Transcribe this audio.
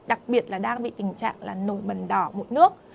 đặc biệt là đang bị tình trạng là nổi mần đỏ một nước